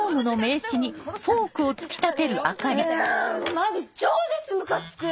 マジ超絶ムカつく！